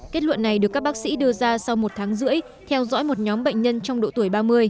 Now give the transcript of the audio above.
kết luận này được các bác sĩ đưa ra sau một tháng rưỡi theo dõi một nhóm bệnh nhân trong độ tuổi ba mươi